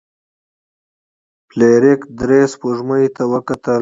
فلیریک درې سپوږمیو ته وکتل.